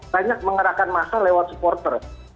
banyak mengerahkan masa lewat supporter